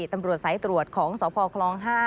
ตำรวจสายตรวจของสพคลอง๕